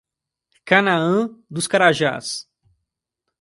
Canaã dos Carajás